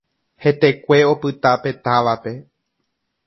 Hetekue opyta pe távape.